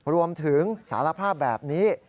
รวมถึงสารภาพแบบนี้